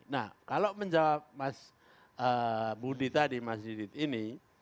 nah kalau menjawab mas budi tadi mas didit ini